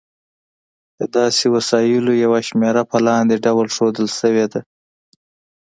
د داسې وسایلو یوه شمېره په لاندې ډول ښودل شوې ده.